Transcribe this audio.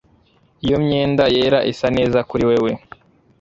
Iyo myenda yera isa neza kuri wewe